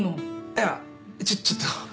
いやちょっちょっと。